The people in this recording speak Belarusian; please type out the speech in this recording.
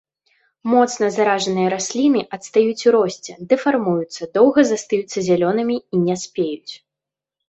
Моцна заражаныя расліны адстаюць у росце, дэфармуюцца, доўга застаюцца зялёнымі і не спеюць.